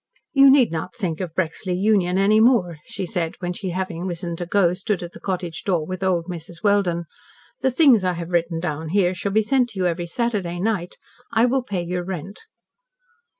"You need not think of Brexley Union any more," she said, when she, having risen to go, stood at the cottage door with old Mrs. Welden. "The things I have written down here shall be sent to you every Saturday night. I will pay your rent."